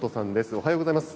おはようございます。